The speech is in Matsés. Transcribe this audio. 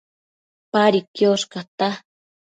Padi quiosh cata